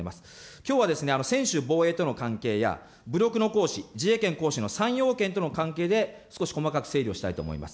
きょうは専守防衛との関係や、武力の行使、自衛権行使の３要件との関係で少し細かく整理をしたいと思います。